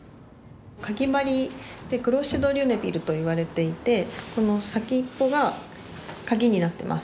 かぎ針でクロシェ・ド・リュネビルといわれていてこの先っぽがかぎになってます。